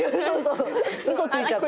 嘘ついちゃった。